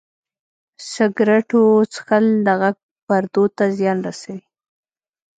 سګرټو څښل د غږ پردو ته زیان رسوي.